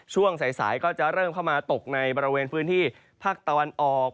ช่วงสายก็จะเริ่มเข้ามาตกในบริเวณพื้นที่ภาคตะวันออก